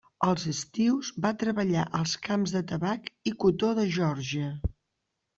Als estius va treballar als camps de tabac i cotó de Geòrgia.